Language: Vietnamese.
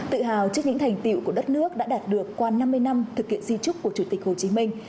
tự hào trước những thành tiệu của đất nước đã đạt được qua năm mươi năm thực hiện di trúc của chủ tịch hồ chí minh